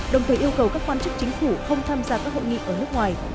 đồng thời yêu cầu các quan chức chính phủ không tham gia các hội nghị ở nước ngoài